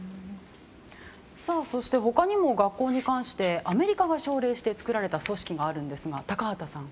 そして他にも学校に関してアメリカが奨励して作られた組織がありますが、高畑さん。